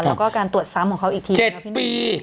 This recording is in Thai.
แล้วก็การตรวจซ้ำของเขาอีกทีนะครับพี่หนุ่ม